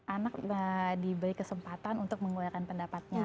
anak diberi kesempatan untuk mengeluarkan pendapatnya